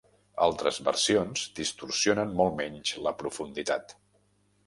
Altres versions distorsionen molt menys la profunditat.